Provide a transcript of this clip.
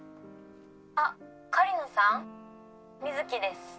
「あっ狩野さん？美月です」